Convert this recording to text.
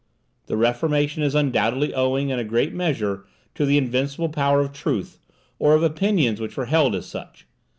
The Reformation is undoubtedly owing in a great measure to the invincible power of truth, or of opinions which were held as such.